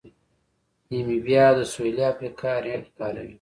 نیمیبیا د سویلي افریقا رینډ کاروي.